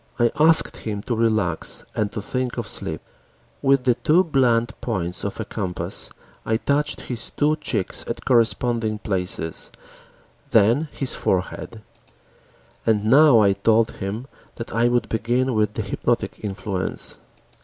I asked him to relax and to think of sleep. With the two blunt points of a compass, I touched his two cheeks at corresponding places, then his forehead. And now I told him that I would begin with the hypnotic influence.